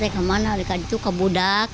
kami lari dengan budak